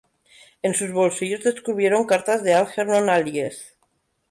En sus bolsillos descubrieron cartas de Algernon Allies.